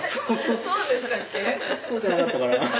そうじゃなかったかな？